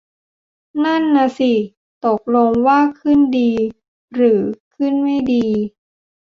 นั่นน่ะสิ ตกลงว่าขึ้นดีหรือขึนไม่ดี